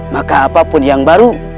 maka apapun yang baru